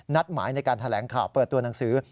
หมายในการแถลงข่าวเปิดตัวหนังสือ